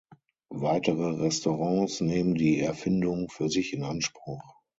Weitere Restaurants nehmen die „Erfindung“ für sich in Anspruch.